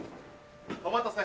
お待たせ。